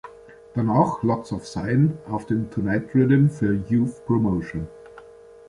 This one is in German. Danach "Lots of Sign" auf dem "Tonight"-Riddim für Youth Promotion.